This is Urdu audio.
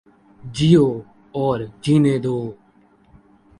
جیو اور جینے دو